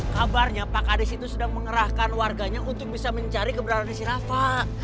kabarnya pak kades itu sedang mengerahkan warganya untuk bisa mencari keberadaan sirafah